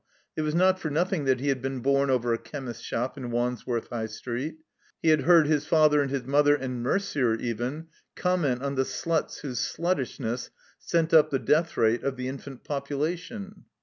It was not for nothing that he had been bom over a chemist's shop in Wandsworth High Street. He had heard his father and his mother (and Merder even) comment on the sluts whose sluttishness sent up the death rate of the infant population.